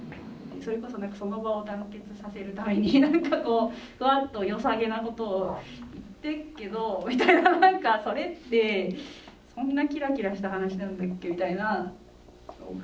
それこそ何かその場を団結させるために何かこうふわっとよさげなことを言ってっけどみたいな何かそれってそんなキラキラした話なんだっけみたいなとか。